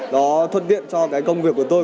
đó thuận tiện cho cái công việc của tôi